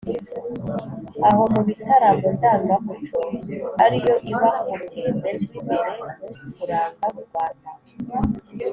Aho mu bitaramo ndangamuco ariyo iba ku ruhembe rw’imbere mu kuranga u Rwanda.